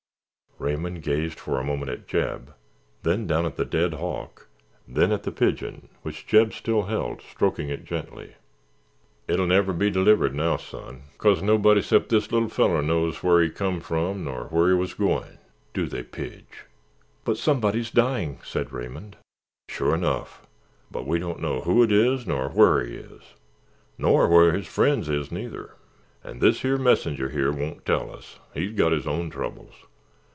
Raymond gazed for a moment at Jeb, then down at the dead hawk, then at the pigeon which Jeb still held, stroking it gently. "It'll never be delivered now, son, 'cause nobuddy 'cept this here little feller knows whar he come frum nor whar he wuz goin'—do they, Pidge?" "But somebody's dying," said Raymond. "Sure enough, but we don't know who 'tis nor whar he is—nor whar his friends is neither. An' this here messenger here won't tell us—he's got his own troubles.